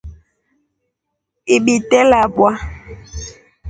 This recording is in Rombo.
Ibite labwa.